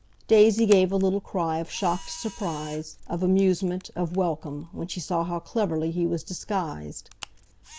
Daisy gave a little cry of shocked surprise, of amusement, of welcome, when she saw how cleverly he was disguised.